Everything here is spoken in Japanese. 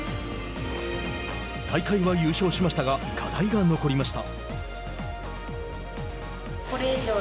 大会は優勝しましたが課題が残りました。